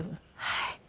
はい。